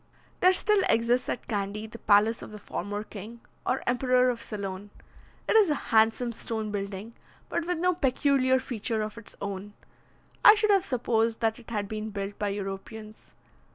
There still exists at Candy the palace of the former king, or emperor of Ceylon. It is a handsome stone building, but with no peculiar feature of its own; I should have supposed that it had been built by Europeans.